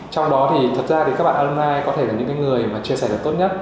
trong đó thì thật ra các bạn alumni có thể là những người chia sẻ được tốt nhất